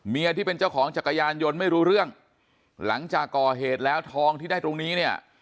ที่เป็นเจ้าของจักรยานยนต์ไม่รู้เรื่องหลังจากก่อเหตุแล้วทองที่ได้ตรงนี้เนี่ย